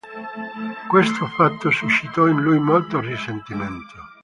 Questo fatto suscitò in lui molto risentimento.